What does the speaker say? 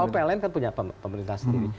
pln kan punya pemerintah sendiri